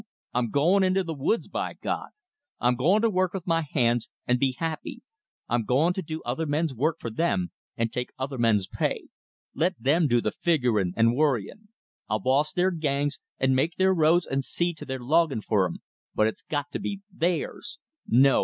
I'm going into the woods, by God! I'm going to work with my hands, and be happy! I'm going to do other men's work for them and take other men's pay. Let them do the figuring and worrying. I'll boss their gangs and make their roads and see to their logging for 'em, but it's got to be THEIRS. No!